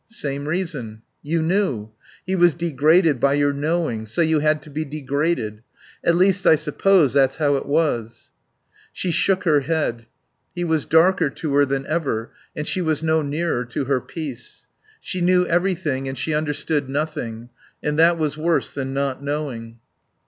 "Same reason. You knew. He was degraded by your knowing, so you had to be degraded. At least I suppose that's how it was." She shook her head. He was darker to her than ever and she was no nearer to her peace. She knew everything and she understood nothing. And that was worse than not knowing.